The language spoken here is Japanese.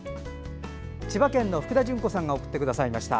千葉県の福田順子さんが送ってくださいました。